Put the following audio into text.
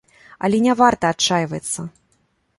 Але не варта адчайвацца.